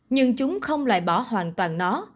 nhưng chúng không loại bỏ hoàn toàn nó